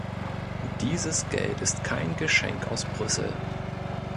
Dieses Geld ist kein Geschenk aus Brüssel.